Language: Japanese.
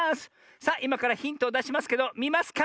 さあいまからヒントをだしますけどみますか？